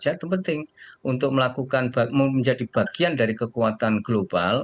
saya itu penting untuk melakukan menjadi bagian dari kekuatan global